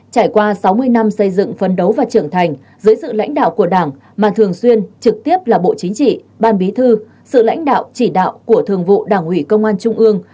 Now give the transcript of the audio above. trải qua sáu mươi năm xây dựng phấn đấu và trưởng thành dưới sự lãnh đạo của đảng mà thường xuyên trực tiếp là bộ chính trị ban bí thư sự lãnh đạo chỉ đạo của thường vụ đảng ủy công an trung ương